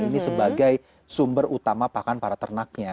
ini sebagai sumber utama pakan para ternaknya